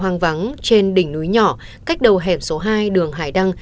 hoang vắng trên đỉnh núi nhỏ cách đầu hẻm số hai đường hải đăng